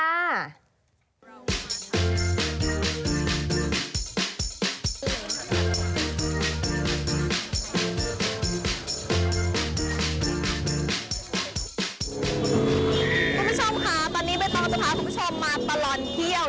คุณผู้ชมค่ะตอนนี้ใบตองจะพาคุณผู้ชมมาตลอดเที่ยว